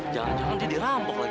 jangan jangan nanti dirampok lagi